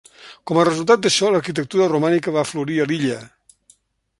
Com a resultat d'això, l'arquitectura romànica va florir a l'illa.